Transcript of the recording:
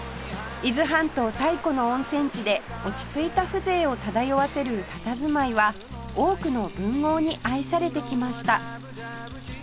伊豆半島最古の温泉地で落ち着いた風情を漂わせるたたずまいは多くの文豪に愛されてきました